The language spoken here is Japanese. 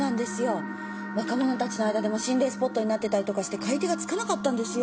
若者たちの間でも心霊スポットになってたりとかして買い手がつかなかったんですよ？